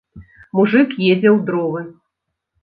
Мужык едзе ў дровы.